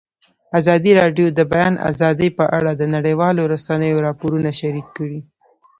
ازادي راډیو د د بیان آزادي په اړه د نړیوالو رسنیو راپورونه شریک کړي.